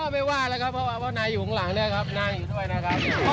ไม่ว่าแล้วครับเพราะว่านายอยู่ข้างหลังด้วยครับนั่งอยู่ด้วยนะครับ